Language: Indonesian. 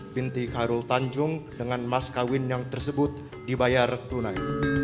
binti khairul tanjung dengan mas kawin yang tersebut dibayar tunai